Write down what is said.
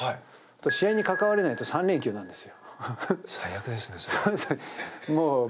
試合に関われないと３連休になるんですよ。